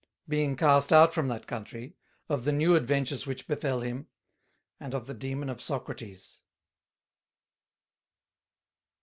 Being cast out from that Country, of the new Adventures which Befell him; and of the Demon of Socrates.